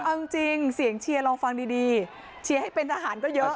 เอาจริงเสียงเชียร์ลองฟังดีเชียร์ให้เป็นทหารก็เยอะ